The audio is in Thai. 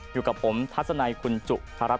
อยู่กับผมทัศนัยคุณจุธารัฐ